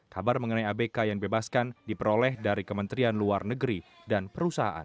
kabar mengenai abk yang dibebaskan diperoleh dari kementerian luar negeri dan perusahaan